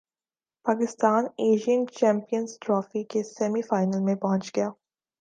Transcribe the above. Pakistan Asian champions trophy کے semifinal میں پہنچ گیا